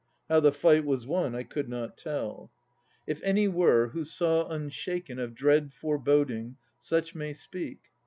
How the fight was won I could not tell. If any were who saw Unshaken of dread foreboding, such may speak.